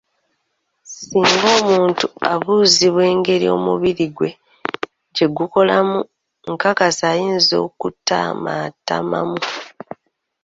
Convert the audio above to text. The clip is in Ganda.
Singa omuntu abuuzibwa engeri omubiri gwe gyegukolamu nkakasa ayinza okutamattamamu.